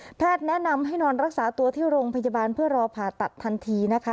แนะนำให้นอนรักษาตัวที่โรงพยาบาลเพื่อรอผ่าตัดทันทีนะคะ